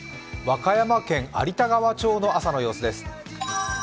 和歌山県有田川町の朝の様子です。